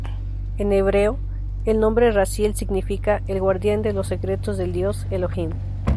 En hebreo, el nombre "Raziel" significa: "El Guardián de los Secretos del Dios Elohim".